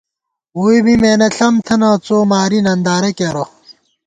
ووئی می مېنہ ݪم تھنہ ، څو ماری نندارہ کېرہ